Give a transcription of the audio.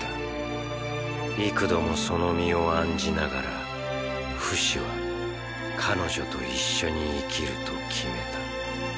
幾度もその身を案じながらフシは彼女と一緒に生きると決めた。